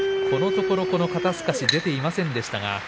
このところ、この肩すかし出ていませんでしたが。